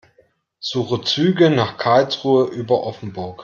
Suche Züge nach Karlsruhe über Offenburg.